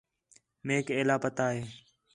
میک ایلا پتہ ہِے